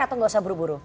atau nggak usah buru buru